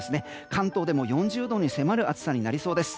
関東でも４０度に迫る暑さになりそうです。